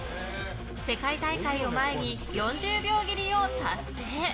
世界大会を前に４０秒切りを達成。